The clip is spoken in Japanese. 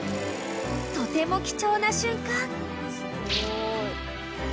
［とても貴重な瞬間］